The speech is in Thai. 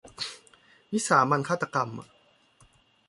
วิสามัญฆาตกรรม